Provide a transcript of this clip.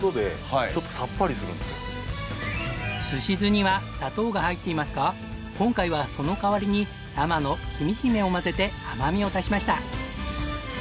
寿司酢には砂糖が入っていますが今回はその代わりに生のきみひめを混ぜて甘みを足しました。